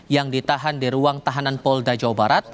yang ditahan di ruang tahanan polda jawa barat